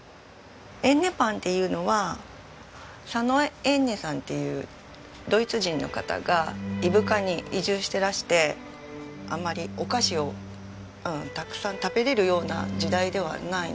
えんねパンっていうのは佐野えんねさんっていうドイツ人の方が伊深に移住してらしてあまりお菓子をたくさん食べられるような時代ではないので。